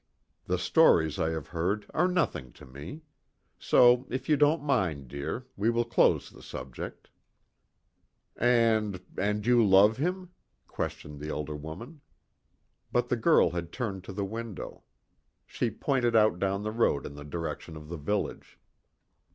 The stories I have heard are nothing to me. So, if you don't mind, dear, we will close the subject." "And and you love him?" questioned the elder woman. But the girl had turned to the window. She pointed out down the road in the direction of the village.